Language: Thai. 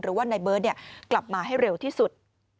หรือว่านายเบิร์ตกลับมาให้เร็วที่สุด